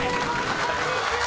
こんにちは！